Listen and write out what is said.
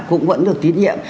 cũng vẫn được tiến nhiệm